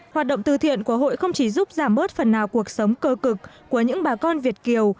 hoạt động từ thiện của hội không chỉ giúp giảm bớt phần nào cuộc sống cơ cực của những bà con việt kiều